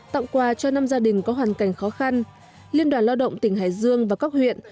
tặng quà cho năm gia đình có hoàn cảnh khó khăn liên đoàn lao động tỉnh hải dương và các huyện